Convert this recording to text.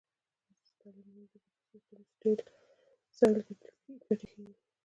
عصري تعلیم مهم دی ځکه چې د سټیم سیل ګټې ښيي.